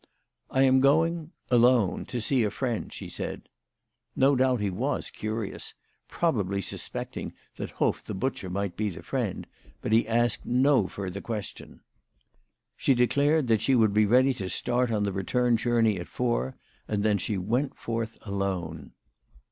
"I am going alone to see a friend," ^Q sa {ft f ]^ o d ou bt he was curious, probably suspecting that Hoff the butcher might be the friend ; but he asked no further question. She declared that she would be ready to start on the return journey at four, and then she went forth alone.